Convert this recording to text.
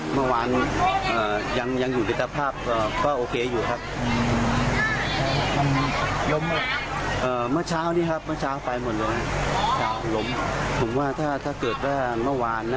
ช่วยตั้งแต่เมื่อวาน